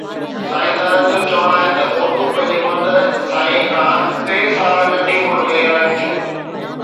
سائنسدانن جو چوڻ آهي ته عورتون پنهنجي مرد ساٿين کان ٽي سال ننڍي عمر ۾ رهن ٿيون